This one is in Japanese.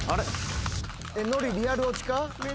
ノリリアル落ちか？